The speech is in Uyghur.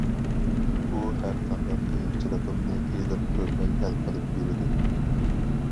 ئۇ ھەرقانداق قىيىنچىلىقىمنى ئېغىر كۆرمەي ھەل قىلىپ بېرىدۇ.